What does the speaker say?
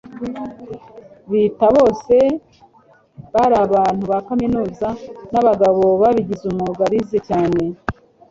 bita, bose bari abantu ba kaminuza nabagabo babigize umwuga bize cyane